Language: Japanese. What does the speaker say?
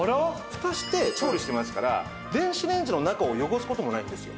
蓋して調理してますから電子レンジの中を汚す事もないんですよ。